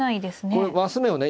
これ升目をね